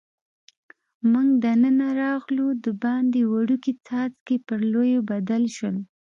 موږ دننه راغلو، دباندې وړوکي څاڅکي پر لویو بدل شول.